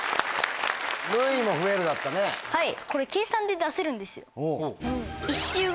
はい。